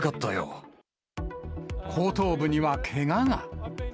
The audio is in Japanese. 後頭部にはけがが。